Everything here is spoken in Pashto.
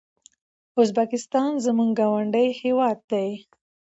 ازبکستان زموږ ګاونډی هيواد ده